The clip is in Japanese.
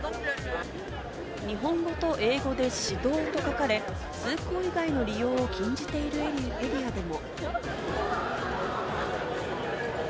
日本語と英語で「私道」と書かれ、通行以外の利用を禁じているエリアにも。